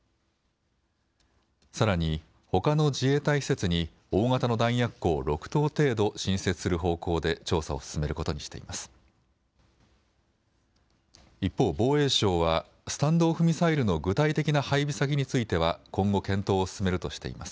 さらにほかの自衛隊施設に大型の弾薬庫を６棟程度新設する方向で調査を進めることにしています。